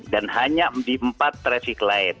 dan hanya di empat traffic light